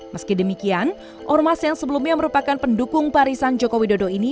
meski demikian ormas yang sebelumnya merupakan pendukung parisan joko widodo ini